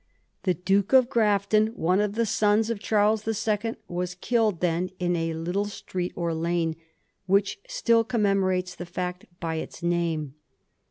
The Duke of Grafton, one of the sons of Charles the Second, was killed then in a little street or lane, which still commemorates the fact by its name.